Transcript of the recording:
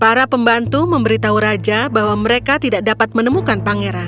para pembantu memberitahu raja bahwa mereka tidak dapat menemukan pangeran